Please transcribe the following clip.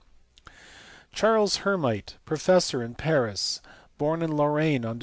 Charles Hermite, professor in Paris, born in Lorraine on Dec.